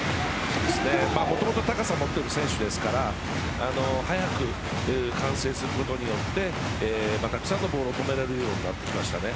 もともと高さを持っている選手ですから早く完成することによってたくさんのボールを止められるようになりました。